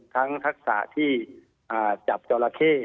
ทั้งทักษะที่จับเจ้าละเข้